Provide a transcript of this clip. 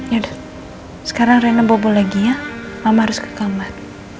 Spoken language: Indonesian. yaudah sekarang reina bobol lagi ya mama harus ke kamar